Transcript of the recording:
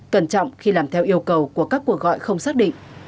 cẩn trọng khi làm theo yêu cầu của các cuộc gọi không xác định